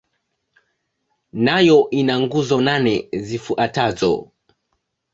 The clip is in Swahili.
Nayo ina nguzo nane zifuatazo.